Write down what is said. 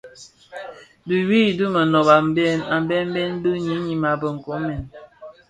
Di yuu di monōb a mbembe bi ňyinim a be nkoomèn.